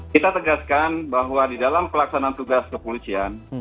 kita tegaskan bahwa di dalam pelaksanaan tugas kepolisian